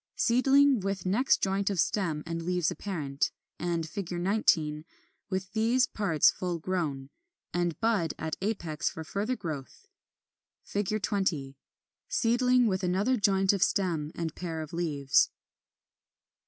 Seedling with next joint of stem and leaves apparent; and 19 with these parts full grown, and bud at apex for further growth. 20. Seedling with another joint of stem and pair of leaves.